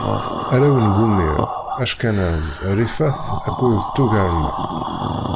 Arraw n Gumir: Ackanaz, Rifat akked Tugarma.